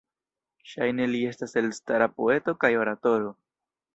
Ŝajne li estis elstara poeto kaj oratoro.